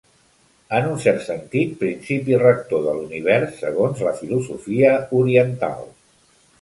En un cert sentit, principi rector de l'univers, segons la filosofia oriental.